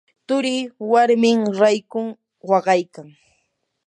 turii warmin raykun waqaykan.